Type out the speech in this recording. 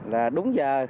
là đúng giờ